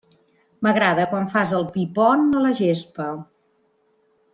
M'agrada quan fas el pi pont a la gespa.